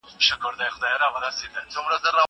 زه اوږده وخت سندري وايم!!